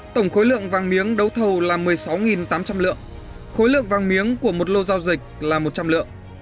tổng khối lượng vàng miếng đấu thầu là một mươi sáu tám trăm linh lượng khối lượng vàng miếng của một lô giao dịch là một trăm linh lượng